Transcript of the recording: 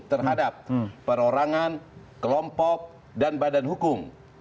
terhadap perorangan kelompok dan badan hukum